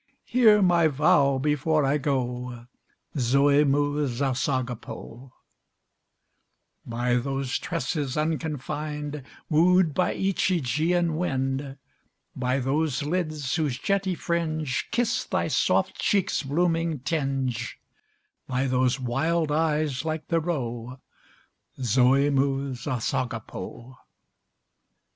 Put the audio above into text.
Hear my vow before I go, ~Zôe mou, sas agapô.~ By those tresses unconfined, Wooed by each Ægean wind; By those lids whose jetty fringe Kiss thy soft cheeks' blooming tinge; By those wild eyes like the roe, ~Zôe mou, sas agapô.